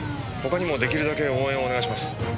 他にもできるだけ応援をお願いします。